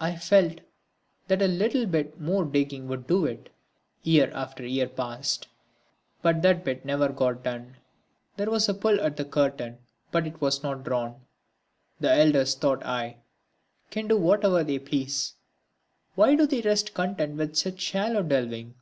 I felt that a little bit more digging would do it. Year after year passed, but that bit never got done. There was a pull at the curtain but it was not drawn. The elders, thought I, can do whatever they please, why do they rest content with such shallow delving?